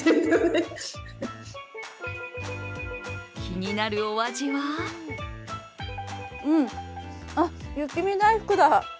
気になるお味はうん、雪見だいふくだ！